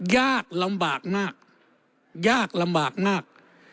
ยากลำบากมากยากลำบากมาก